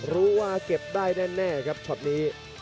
รู้ว่าเก็บได้แน่โชตนี้